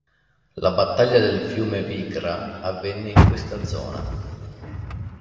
La battaglia del fiume Vichra avvenne in questa zona.